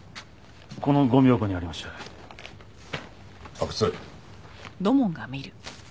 阿久津。